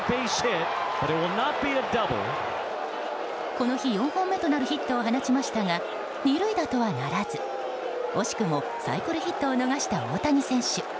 この日４本目となるヒットを放ちましたが２塁打とはならず惜しくもサイクルヒットを逃した大谷選手。